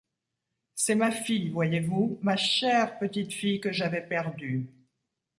C’est ma fille, voyez-vous? ma chère petite fille que j’avais perdue!